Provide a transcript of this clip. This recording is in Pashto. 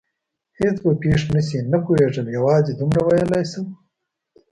هېڅ به پېښ نه شي؟ نه پوهېږم، یوازې دومره ویلای شم.